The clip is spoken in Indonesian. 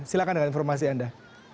silakan dengan informasi anda